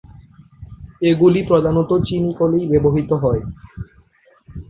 এগুলি প্রধানত চিনিকলেই ব্যবহূত হয়।